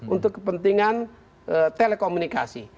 untuk kepentingan telekomunikasi